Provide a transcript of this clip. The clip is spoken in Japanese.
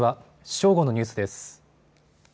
正午のニュースです。